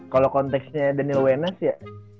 kalau konteksnya daniel wenas ya